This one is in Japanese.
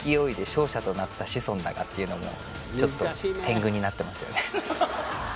「勝者となった志尊だが」っていうのもちょっと天狗になってますよね